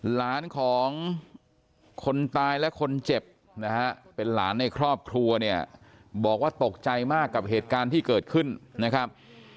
หลานของคนตายและคนเจ็บนะฮะเป็นหลานในครอบครัวเนี่ยบอกว่าตกใจมากกับเหตุการณ์ที่เกิดขึ้นนะครับ